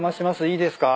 いいですか？